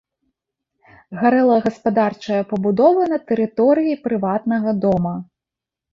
Гарэла гаспадарчая пабудова на тэрыторыі прыватнага дома.